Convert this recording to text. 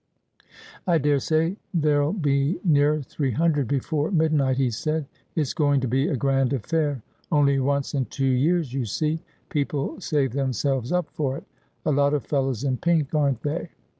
' I daresay there'll be nearer three hundred before midnight,' he said. ' It's going to be a grand affair. Only once in two years, you see : people save themselves up for it. A lot of fellows in pink, aren't they